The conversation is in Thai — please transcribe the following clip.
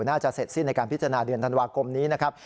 น่าจะเสร็จสิ้นในการพิจารณาเดือนธันวาคมนี้นะครับ